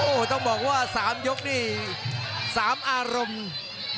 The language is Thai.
โอ้โหต้องบอกว่า๓ยกนี่๓อารมณ์